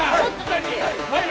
はい。